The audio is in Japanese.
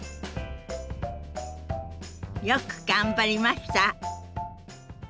よく頑張りました。